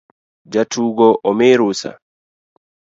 Jotugo omii rusa